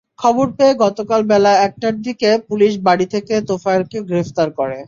খবর পেয়ে গতকাল বেলা একটারদিকে পুলিশ বাড়ি থেকে তোফায়েলকে গ্রেপ্তার করে।